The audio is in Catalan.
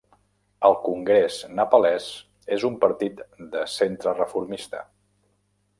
El Congrés Nepalès és un partit de centre reformista.